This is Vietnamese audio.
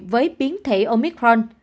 với biến thể omicron